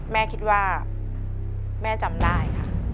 แม่คิดว่าแม่จำได้ค่ะ